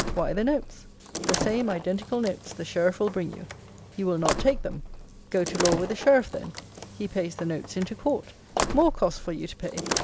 Why the notes; the same identical notes the Sheriff will bring you. You will not take them. Go to law with the Sheriff then. He pays the notes into Court. More costs for you to pay.